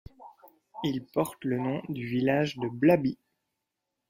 Il porte le nom du village de Blaby.